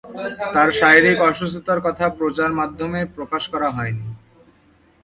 তার শারীরিক অসুস্থতার কথা প্রচার মাধ্যমে প্রকাশ করা হয়নি।